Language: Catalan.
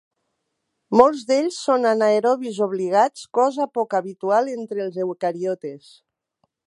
Molts d'ells són anaerobis obligats, cosa poc habitual entre els eucariotes.